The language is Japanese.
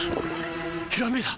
ひらめいた！